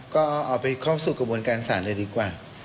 ก็เอาไปเข้าสู่กระบวนการศาลเลยดีกว่า